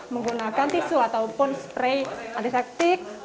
menggunakan tisu ataupun spea antisektik